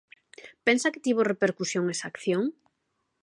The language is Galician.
Pensa que tivo repercusión esa acción?